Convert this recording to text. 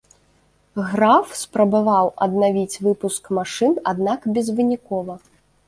Граф спрабаваў аднавіць выпуск машын, аднак безвынікова.